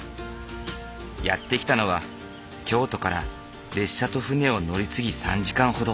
やって来たのは京都から列車と船を乗り継ぎ３時間ほど。